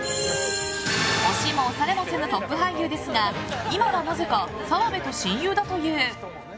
押しも押されもせぬトップ俳優ですが今はなぜか澤部と親友だという。